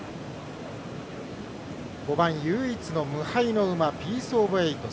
５番、唯一無敗の馬ピースオブエイト。